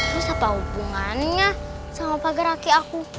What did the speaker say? terus apa hubungannya sama pagar aki aku